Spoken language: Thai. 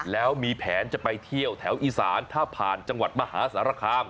แล้วมีแผนจะไปเที่ยวแถวอีสานถ้าผ่านจังหวัดมหาสารคาม